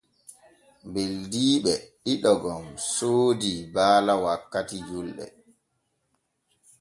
Beldiiɓe ɗiɗo gom soodii baala wakkati julɗe.